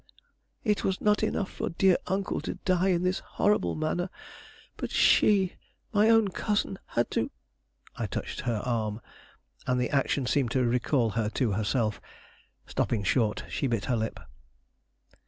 "It was not enough for dear uncle to die in this horrible manner; but she, my own cousin, had to " I touched her arm, and the action seemed to recall her to herself. Stopping short, she bit her lip.